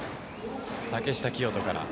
竹下聖人から。